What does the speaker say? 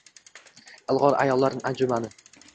Ilg‘or ayollar anjumani